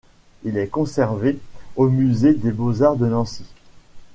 Il est conservé au musée des Beaux-Arts de Nancy.